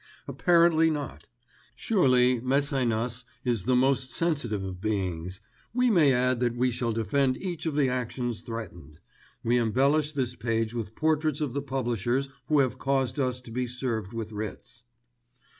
Apparently not. Surely Mecænas is the most sensitive of beings. We may add that we shall defend each of the actions threatened. We embellish this page with portraits of the publishers who have caused us be served with writs."